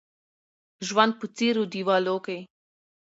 ژوند په څيرو دېوالو کې